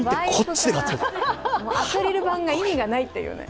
アクリル板が意味がないって感じ。